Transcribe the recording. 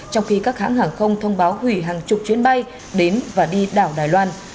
trong khi các hãng hàng không thông báo hủy hàng chục chuyến bay đến và đi đảo đài loan